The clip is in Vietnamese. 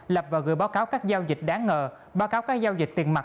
lập và gửi báo cáo các giao dịch đáng ngờ báo cáo các giao dịch tiền mặt